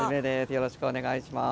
よろしくお願いします。